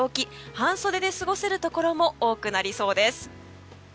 半袖で過ごせるところも多くなりそうです。